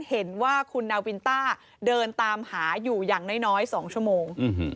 เห็นว่าคุณนาวินต้าเดินตามหาอยู่อย่างน้อย๒ชั่วโมง